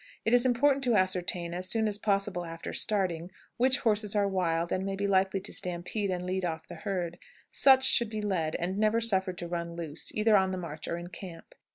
It is important to ascertain, as soon as possible after starting, which horses are wild, and may be likely to stampede and lead off the herd; such should be led, and never suffered to run loose, either on the march or in camp.